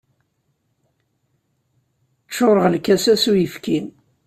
Ččureɣ lkas-a s uyefki.